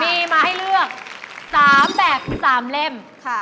มีมาให้เลือก๓แบบ๓เล่ม